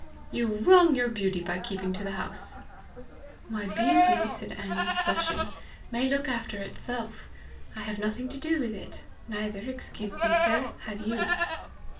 "You wrong your beauty by keeping to the house." "My beauty," said Annie, flushing, "may look after itself; I have nothing to do with it neither, excuse me, sir, have you."